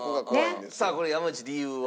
さあこれ山内理由は？